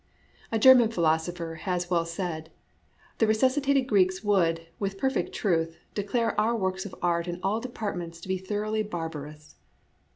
A German philosopher has well said, " The resuscitated Greeks would, with perfect truth, declare our works of art in all departments to be thoroughly barbarous."